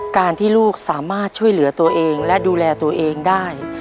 การที่ลูกสามารถช่วยเหลือตัวเองและดูแลตัวเองได้